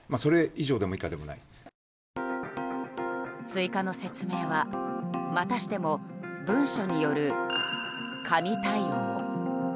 追加の説明はまたしても文書による紙対応。